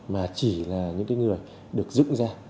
mà chỉ là những người được dựng ra